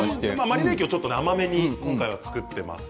マリネ液をちょっと甘めに今回は作っています。